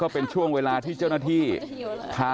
เพื่อนบ้านเจ้าหน้าที่อำรวจกู้ภัย